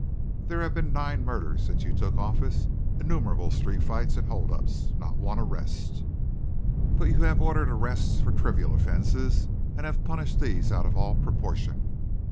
"There have been nine murders since you took office, innumerable street fights and hold ups. Not one arrest! But you have ordered arrests for trivial offenses, and have punished these out of all proportion.